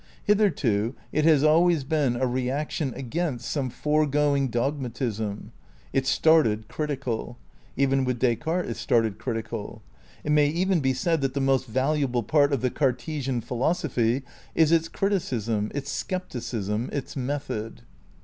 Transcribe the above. Hitherto it has always been a reaction against some foregoing dogmatism. It started critical. Even with Descartes it started critical. It may even be said that the most valuable part of the Cartesian philosophy is its criticism, its scepticism, its method.